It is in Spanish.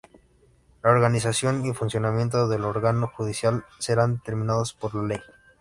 La organización y funcionamiento del Órgano Judicial serán determinados por la ley.